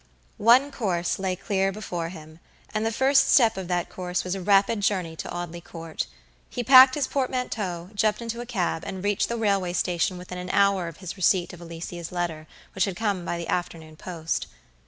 One course lay clear before him; and the first step of that course was a rapid journey to Audley Court. He packed his portmanteau, jumped into a cab, and reached the railway station within an hour of his receipt of Alicia's letter, which had come by the afternoon post.